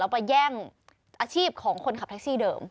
ไปแย่งอาชีพของคนขับแท็กซี่เดิม